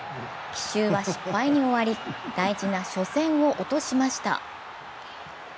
奇襲は失敗に終わり大事な初戦を落としました。